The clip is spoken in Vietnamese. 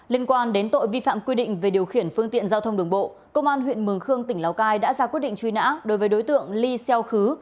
liên quan đến tội vi phạm quy định về điều khiển phương tiện giao thông đường bộ công an huyện mường khương tỉnh lào cai đã ra quyết định truy nã đối với đối tượng ly xeo khứ